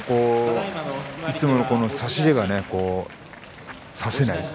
いつもの差し手がね差せない。